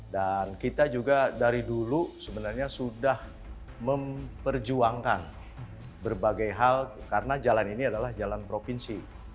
dan kita juga dari dulu sebenarnya sudah memperjuangkan berbagai hal karena jalan ini adalah jalan provinsi